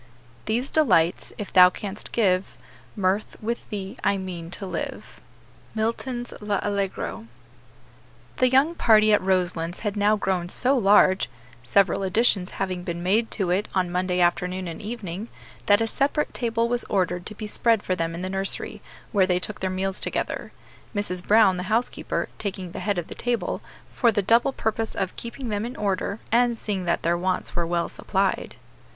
"These delights, if thou canst give, Mirth, with thee I mean to live." MILTON's L'Allegro. The young party at Roselands had now grown so large several additions having been made to it on Monday afternoon and evening that a separate table was ordered to be spread for them in the nursery, where they took their meals together; Mrs. Brown, the housekeeper, taking the head of the table, for the double purpose of keeping them in order, and seeing that their wants were well supplied.